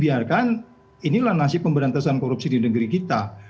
biarkan inilah nasib pemberantasan korupsi di negeri kita